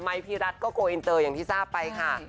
พี่รัฐก็โกอินเตอร์อย่างที่ทราบไปค่ะ